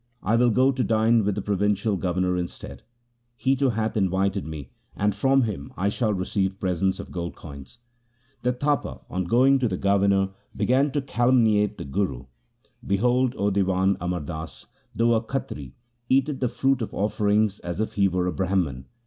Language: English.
I will go to dine with the provincial governor instead. He too hath invited me, and from him I shall receive presents of gold coins.' The Tapa on going to the governor began to calumniate the Guru. ' Behold, O Diwan, Amar Das, though a Khatri, eateth the fruit of offerings as if he were a Brahman.